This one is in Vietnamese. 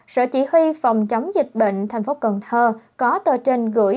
sở chỉ huy phòng chống dịch bệnh tp cần thơ có tờ trên gửi